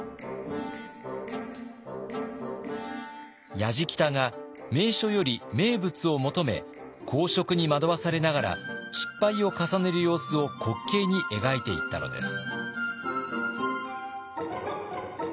やじきたが名所より名物を求め好色に惑わされながら失敗を重ねる様子を滑稽に描いていったのです。